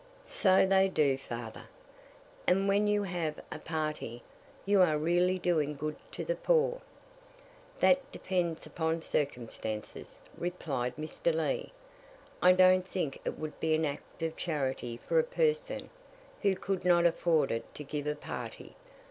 "So they do, father. And when you have a party, you are really doing good to the poor." "That depends upon circumstances," replied Mr. Lee. "I don't think it would be an act of charity for a person who could not afford it to give a party.